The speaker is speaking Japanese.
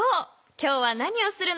今日は何をするの？